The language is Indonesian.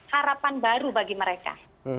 harapan baru bagi mereka